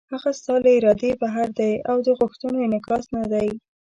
هغه ستا له ارادې بهر دی او د غوښتنو انعکاس نه دی.